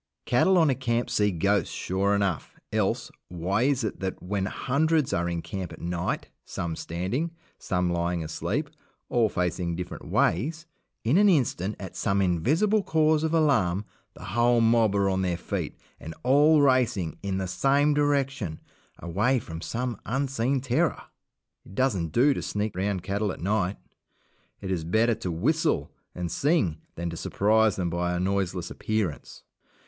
Cattle on a camp see ghosts, sure enough else, why is it that, when hundreds are in camp at night some standing, some lying asleep, all facing different ways in an instant, at some invisible cause of alarm, the whole mob are on their feet and all racing in the same direction, away from some unseen terror? It doesn't do to sneak round cattle at night; it is better to whistle and sing than to surprise them by a noiseless appearance.